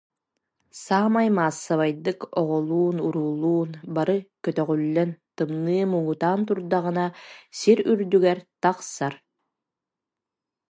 Саамай маассабайдык, оҕолуун-уруулуун бары көтөҕүллэн, тымныы муҥутаан турдаҕына сир үрдүгэр тахсар